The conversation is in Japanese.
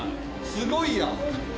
すごいやん！